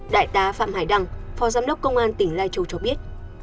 đại tá phạm hải đăng phó giám đốc công an tỉnh lai châu cho biết